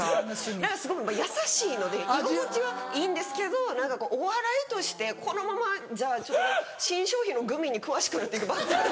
何かすごく優しいので居心地はいいんですけど何かこうお笑いとしてこのままじゃちょっと新商品のグミに詳しくなって行くばっかで。